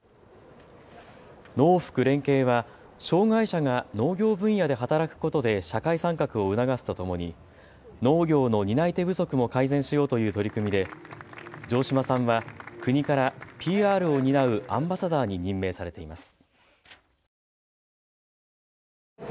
農福連携は障害者が農業分野で働くことで社会参画を促すとともに農業の担い手不足も改善しようという取り組みで城島さんは国からＰＲを担うアンバサダーに任命されています。